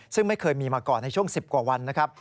ซึ่งไม่เคยมีมาก่อนในช่วง๑๐กว่าวันนะครับ